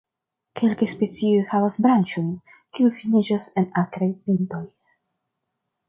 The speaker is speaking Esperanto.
Kelkaj specioj havas branĉojn, kiuj finiĝas en akraj pintoj.